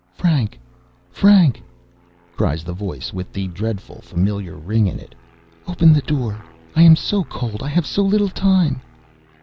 "Frank! Frank!" cries the voice with the dreadful familiar ring in it. "Open the door; I am so cold. I have so little time."